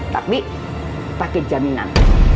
tapi pakai jaminan